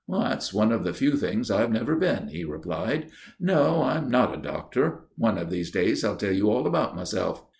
"That's one of the few things I've never been," he replied. "No; I'm not a doctor. One of these days I'll tell you all about myself."